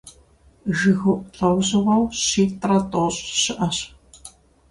ЖыгыуIу лIэужьыгъуэу щитIрэ тIощI щыIэщ.